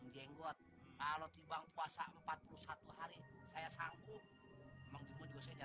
emang di batu ada penumbuhnya